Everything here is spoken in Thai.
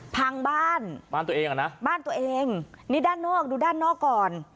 พังบ้านบ้านตัวเองอ่ะนะบ้านตัวเองนี่ด้านนอกดูด้านนอกก่อน